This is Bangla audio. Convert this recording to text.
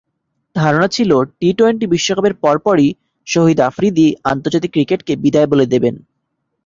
ধারণা ছিল, টি-টোয়েন্টি বিশ্বকাপের পরপরই শহীদ আফ্রিদি আন্তর্জাতিক ক্রিকেটকে বিদায় বলে দেবেন।